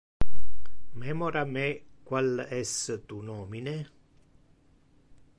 Memora me qual es tu nomine?